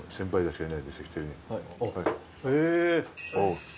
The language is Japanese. はい。